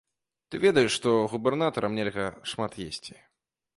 Ты ведаеш, што губернатарам нельга шмат есці?